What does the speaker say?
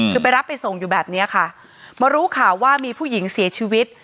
คือไปรับไปส่งอยู่แบบนี้ค่ะมารู้ข่าวว่ามีผู้หญิงเสียชีวิต